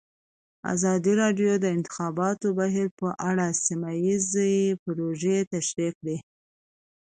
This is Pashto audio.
ازادي راډیو د د انتخاباتو بهیر په اړه سیمه ییزې پروژې تشریح کړې.